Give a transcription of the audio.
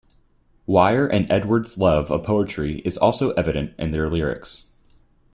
Wire and Edwards' love of poetry is also evident in their lyrics.